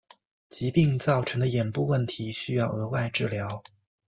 疾病造成的眼部问题需额外治疗。